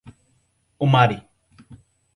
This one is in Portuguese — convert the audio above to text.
Umari